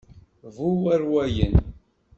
D bu warwayen.